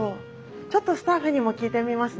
ちょっとスタッフにも聞いてみますね。